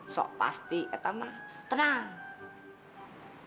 sok pasti etamah tenang